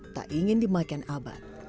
tak ingin dimakan abad